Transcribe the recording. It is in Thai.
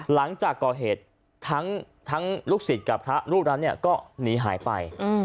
หลังจากก่อเหตุทั้งลูกศิษย์กับพระรูปนั้นก็หนีหายไป